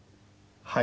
はい。